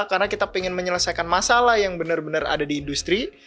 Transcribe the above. karena kita pengen menyelesaikan masalah yang benar benar ada di industri